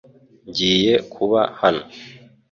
Ngiye kuba hano .